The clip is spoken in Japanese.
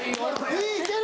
いいいける！